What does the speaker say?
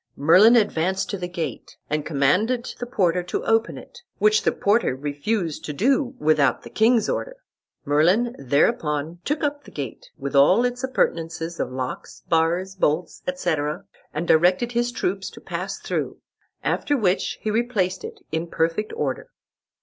Merlin advanced to the gate, and commanded the porter to open it, which the porter refused to do, without the king's order. Merlin thereupon took up the gate, with all its appurtenances of locks, bars, bolts, etc., and directed his troops to pass through, after which he replaced it in perfect order.